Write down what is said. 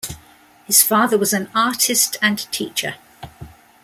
His father was an artist and teacher.